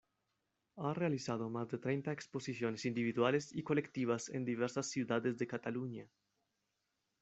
Ha realizado más de treinta exposiciones individuales y colectivas en diversas ciudades de Cataluña.